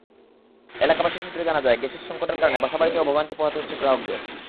এলাকাবাসী সূত্রে জানা যায়, গ্যাসের সংকটের কারণে বাসাবাড়িতেও ভোগান্তি পোহাতে হচ্ছে গ্রাহকদের।